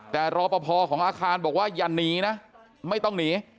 แต่รอปภของอาคารบอกว่าอย่าหนีนะไม่ต้องหนี